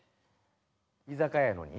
居酒屋やのに？